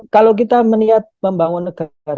kalau kita meniat membangun negara modern yang demokratik